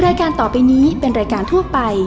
รายการต่อไปนี้เป็นรายการทั่วไป